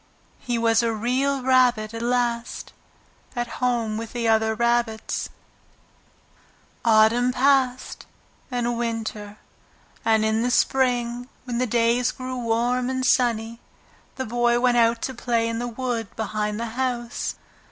He was a Real Rabbit at last, at home with the other rabbits. At Last! At Last! Autumn passed and Winter, and in the Spring, when the days grew warm and sunny, the Boy went out to play in the wood behind the house.